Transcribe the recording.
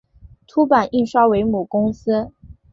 凸版印刷为母公司。